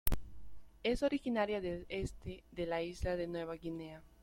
Es originaria del este de la isla de Nueva Guinea.